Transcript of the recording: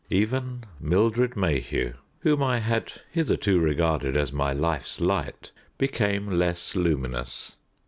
Even Mildred Mayhew, whom I had hitherto regarded as my life's light, became less luminous.